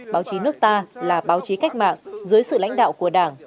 báo chí nước ta là báo chí cách mạng dưới sự lãnh đạo của đảng